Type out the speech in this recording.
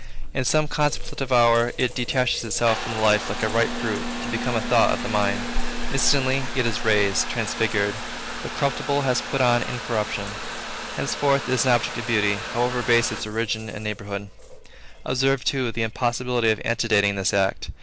In some contemplative hour, it detaches itself from the life like a ripe fruit, to become a thought of the mind. Instantly, it is raised, transfigured; the corruptible has put on incorruption. Henceforth it is an object of beauty, however base its origin and neighborhood. Observe, too, the impossibility of antedating this act.